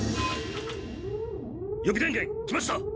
・予備電源きました！